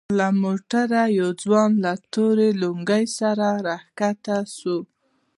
له موټره يو ځوان له تورې لونگۍ سره راکښته سو.